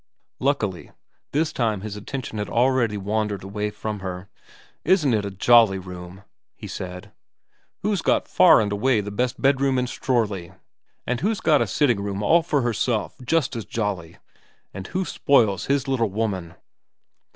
Luckily this time his attention had already wandered away from her. ' Isn't it a jolly room ?' he said. ' Who's got far and away the best bedroom in Strorley ? And who's got a sitting room all for herself, just as jolly ? And who spoils his little woman